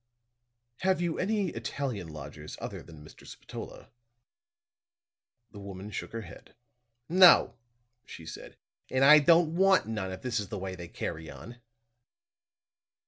"Have you any Italian lodgers other than Mr. Spatola?" The woman shook her head. "No," she said, "and I don't want none, if this is the way they carry on."